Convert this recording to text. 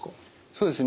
そうですね。